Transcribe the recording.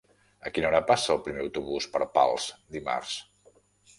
A quina hora passa el primer autobús per Pals dimarts?